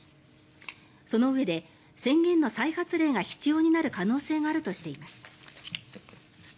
そのうえで、宣言の再発令が必要になる可能性があるとしています。